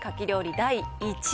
第１位。